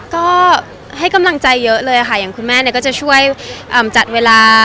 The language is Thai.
ก็ให้กำลังใจเยอะเลยค่ะอย่างคุณแม่เนี่ยก็จะช่วยจัดเวลา